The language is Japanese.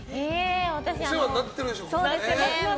お世話になってるでしょ？